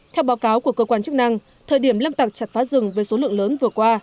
theo báo cáo của cơ quan chức năng thời điểm lâm tặc chặt phá rừng với số lượng lớn vừa qua